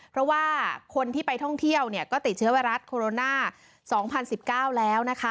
เพราะว่าคนที่ไปท่องเที่ยวเนี่ยก็ติดเชื้อไวรัสโคโรนาสองพันสิบเก้าแล้วนะคะ